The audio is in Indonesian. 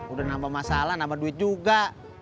udah nambah masalah nambah duit juga